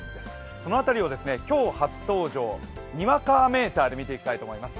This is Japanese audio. その辺りを今日初登場、にわか雨ーターで見ていきたいと思います。